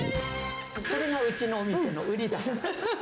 それがうちのお店の売りだから。